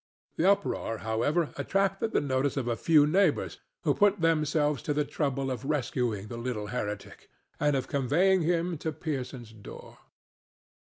The uproar, however, attracted the notice of a few neighbors, who put themselves to the trouble of rescuing the little heretic, and of conveying him to Pearson's door.